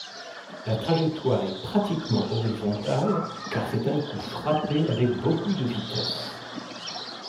La trajectoire est pratiquement horizontale car c'est un coup frappé avec beaucoup de vitesse.